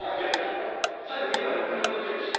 最後家まで送り届けるし。